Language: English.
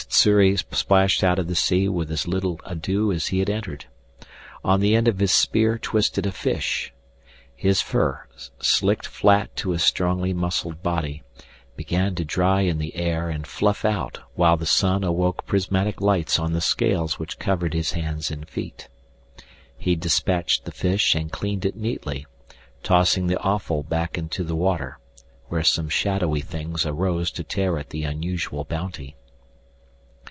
Sssuri splashed out of the sea with as little ado as he had entered. On the end of his spear twisted a fish. His fur, slicked flat to his strongly muscled body, began to dry in the air and fluff out while the sun awoke prismatic lights on the scales which covered his hands and feet. He dispatched the fish and cleaned it neatly, tossing the offal back into the water, where some shadowy things arose to tear at the unusual bounty.